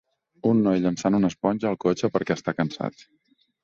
un noi llançant una esponja al cotxe perquè està cansat